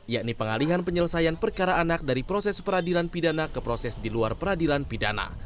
yakni pengalihan penyelesaian perkara anak dari proses peradilan pidana ke proses di luar peradilan pidana